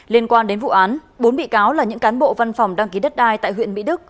liên quan đến vụ án bốn bị cáo là những cán bộ văn phòng đăng ký đất đai tại huyện mỹ đức